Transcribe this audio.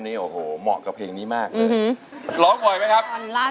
มาเข้ากับสวดชดของลูกสาว